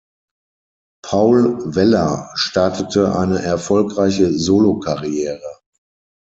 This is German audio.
Paul Weller startete eine erfolgreiche Solokarriere.